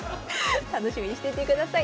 楽しみにしていてください。